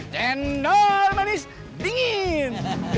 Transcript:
jendol manis dingin